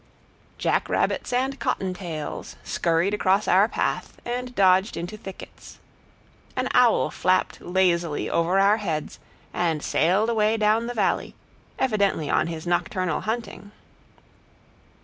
Jack rabbits and cotton tails scurried across our path and dodged into thickets. An owl flapped lazily over our heads and sailed away down the valley, evidently on his nocturnal hunting.